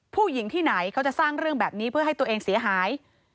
ผู้หญิงที่ไหนเขาจะสร้างเรื่องแบบนี้เพื่อให้ตัวเองเสียหาย